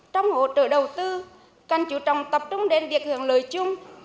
trong hỗ trợ đầu tư cần chú trọng tập trung đến việc hưởng lời chung